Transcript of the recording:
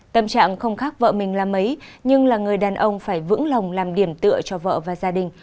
tâm trạng không khác vợ mình là mấy nhưng là người đàn ông phải vững lòng làm điểm tựa cho vợ và gia đình